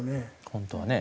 本当はね。